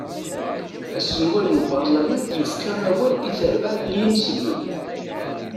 Aselway n ubarlaman yefka awal i terbaɛt n isenslmen.